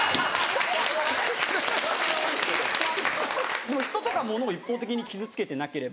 でも人とか物を一方的に傷つけてなければ。